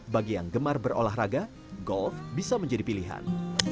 bagi yang gemar berolahraga golf bisa menjadi pilihan